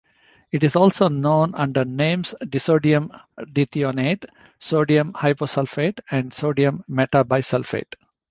It is also known under names disodium dithionate, sodium hyposulfate, and sodium metabisulfate.